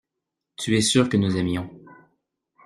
Tu es sûr que nous aimions.